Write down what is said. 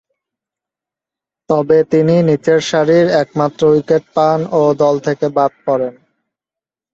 তবে, তিনি নিচেরসারির একমাত্র উইকেট পান ও দল থেকে বাদ পড়েন।